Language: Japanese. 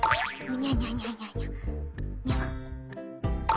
にゃにゃにゃにゃにゃにゃ！